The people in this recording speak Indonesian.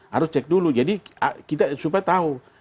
harus cek dulu jadi kita supaya tahu